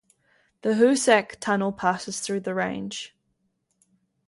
The Hoosac Tunnel passes through the range.